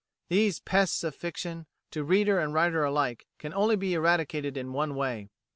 These pests of fiction, to reader and writer alike, can only be eradicated in one way.